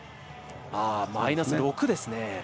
マイナス６ですね。